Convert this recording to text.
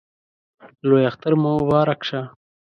لوی اختر مو مبارک شه